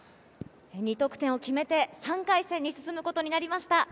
２得点を決めて、３回戦に進むことになりました。